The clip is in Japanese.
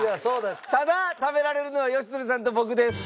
ただ食べられるのは良純さんと僕です。